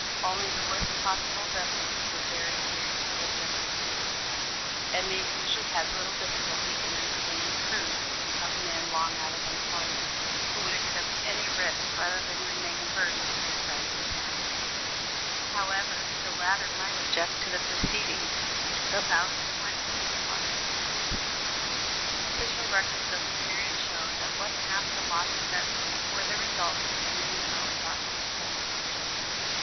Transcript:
Only the worst possible vessels were very seriously objected to; and these usually had little difficulty in obtaining crews of men long out of employment, who would accept any risk rather than remain a burden to their friends and families, however the latter might object to the proceeding. So thousands went to a watery grave. Official records of the period showed that one half the losses at sea were the result of sending out rotten hulks.